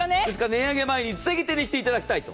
値上げ前にぜひ手にしていただきたいと。